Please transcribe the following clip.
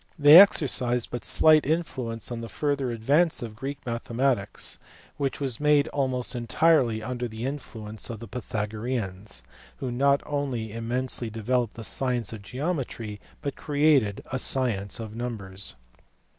They exercised but slight in fluence on the further advance of Greek mathematics, which was made almost entirely under the influence of the Pythago reans, who not only immensely developed the science of PYTHAGORAS. 1 9 geom ; i v l)ii e of numbers.